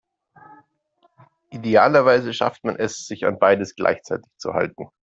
Idealerweise schafft man es, sich an beides gleichzeitig zu halten.